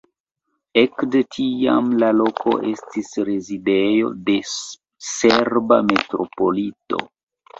Ekde tiam la loko estis rezidejo de serba metropolito.